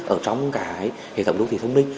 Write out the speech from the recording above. ở trong hệ thống đô thị thông minh